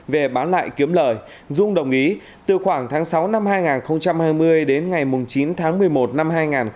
về bán lại kiếm lời dung đồng ý từ khoảng tháng sáu năm hai nghìn hai mươi đến ngày chín tháng một mươi một năm hai nghìn hai mươi